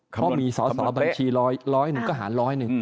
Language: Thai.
เพราะมีสอบบัญชีร้อย๑ก็หารร้อย๑